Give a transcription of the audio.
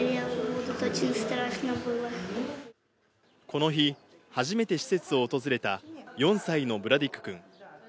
この日、初めて施設を訪れた、４歳のブラディクくん。